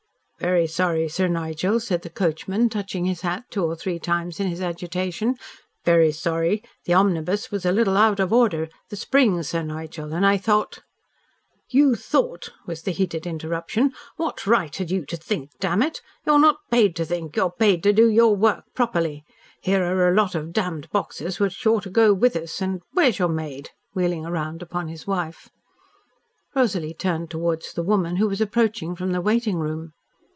"Very sorry, Sir Nigel," said the coachman, touching his hat two or three times in his agitation. "Very sorry. The omnibus was a little out of order the springs, Sir Nigel and I thought " "You thought!" was the heated interruption. "What right had you to think, damn it! You are not paid to think, you are paid to do your work properly. Here are a lot of damned boxes which ought to go with us and where's your maid?" wheeling round upon his wife. Rosalie turned towards the woman, who was approaching from the waiting room.